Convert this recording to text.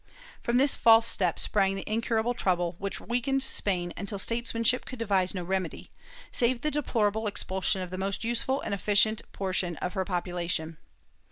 From this false step sprang the incurable trouble which weakened Spain until statesmanship could devise no remedy, save the deplorable expulsion of the most useful and efficient portion of her population.